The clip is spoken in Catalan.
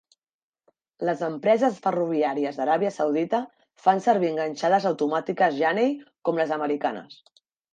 Les empreses ferroviàries d'Aràbia Saudita fan servir enganxades automàtiques Janney com les americanes.